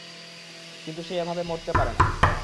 কিন্তু সে এভাবে মরতে পারেন।